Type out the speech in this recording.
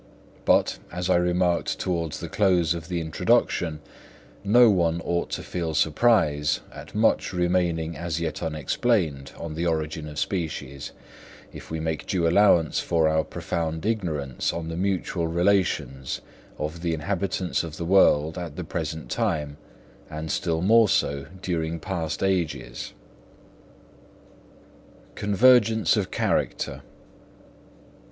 But, as I remarked towards the close of the introduction, no one ought to feel surprise at much remaining as yet unexplained on the origin of species, if we make due allowance for our profound ignorance on the mutual relations of the inhabitants of the world at the present time, and still more so during past ages. _Convergence of Character.